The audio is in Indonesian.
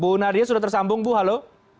bu nadia sudah tersambung bu halo